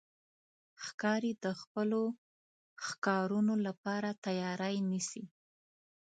ښکاري د خپلو ښکارونو لپاره تیاری نیسي.